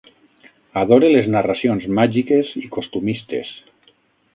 Adore les narracions màgiques i costumistes.